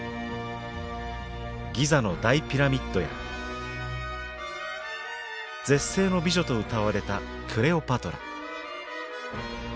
ギザの大ピラミッドや絶世の美女とうたわれたクレオパトラ。